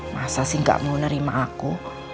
masa sih gak mau nerima aku